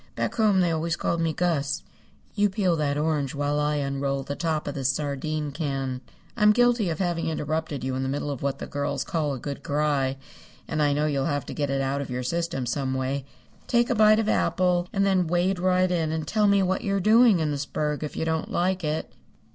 "Back home they always called me Gus. You peel that orange while I unroll the top of this sardine can. I'm guilty of having interrupted you in the middle of what the girls call a good cry, and I know you'll have to get it out of your system some way. Take a bite of apple and then wade right in and tell me what you're doing in this burg if you don't like it."